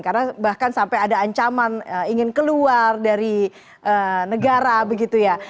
karena bahkan sampai ada ancaman ingin keluar dari negara begitu ya